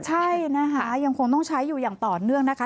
ใช่นะคะยังคงต้องใช้อยู่อย่างต่อเนื่องนะคะ